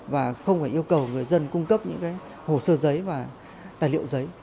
và không phải yêu cầu người dân cung cấp những hồ sơ giấy và tài liệu giấy